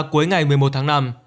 cuối ngày một mươi một tháng năm